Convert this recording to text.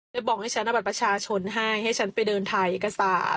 บอกให้ฉันเอาบัตรประชาชนให้ให้ฉันไปเดินถ่ายเอกสาร